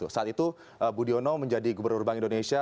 saat itu budi ono menjadi gubernur bank indonesia